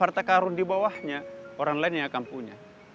harta karun dibawahnya orang lain yang akan punya